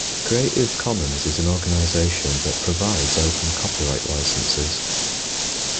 Creative Commons is an organisation that provides open copyright licences